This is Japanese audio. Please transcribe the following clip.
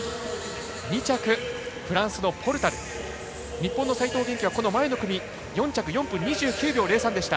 ２着、フランスのポルタル日本の齋藤元希は前の組４分２９秒０３でした。